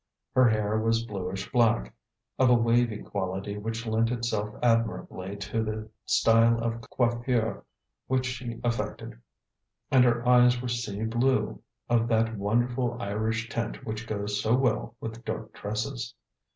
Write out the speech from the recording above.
Her hair was bluish black, of a wavy quality which lent itself admirably to the style of coiffure which she affected, and her eyes were sea blue, of that wonderful Irish tint which goes so well with dark tresses.